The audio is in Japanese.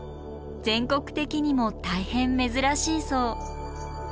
全国的にも大変珍しいそう。